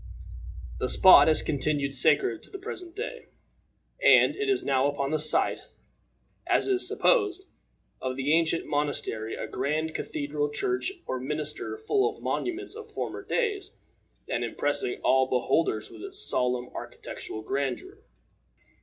The spot has continued sacred to the present day; and it has now upon the site, as is supposed, of the ancient monastery, a grand cathedral church or minster, full of monuments of former days, and impressing all beholders with its solemn architectural grandeur.